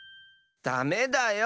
ダメだよ！